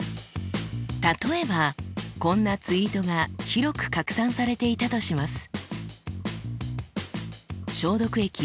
例えばこんなツイートが広く拡散されていたとします。